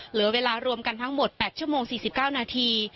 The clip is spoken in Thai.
เหลือเวลารวมกันทั้งหมด๘ชั่วโมง๔๙นาที